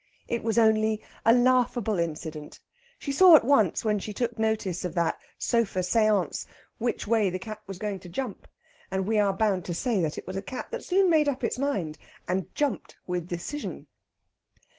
It was only a laughable incident. She saw at once, when she took note of that sofa séance, which way the cat was going to jump; and we are bound to say it was a cat that soon made up its mind, and jumped with decision.